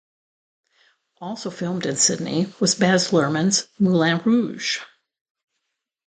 Also filmed in Sydney was Baz Luhrmann's Moulin Rouge!